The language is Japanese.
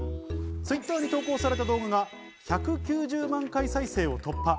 Ｔｗｉｔｔｅｒに投稿された動画が１９０万回再生を突破。